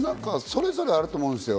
それぞれあると思うんですよ。